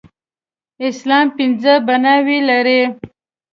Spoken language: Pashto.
اسلام پنځه بناوې لري.